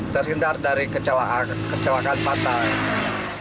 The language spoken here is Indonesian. tersindar dari kecelakaan fatal